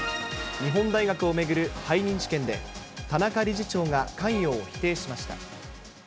日本大学を巡る背任事件で、田中理事長が関与を否定しました。